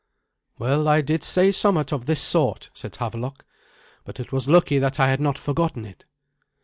"Well, I did say somewhat of this sort," said Havelok; "but it was lucky that I had not forgotten it."